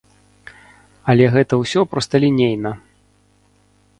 Але гэта ўсё просталінейна.